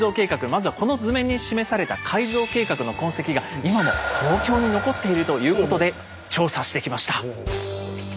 まずはこの図面に示された改造計画の痕跡が今も東京に残っているということで調査してきました。